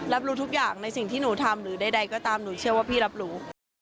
รับรู้ทุกอย่างในสิ่งที่หนูทำหรือใดก็ตามหนูเชื่อว่าพี่รับรู้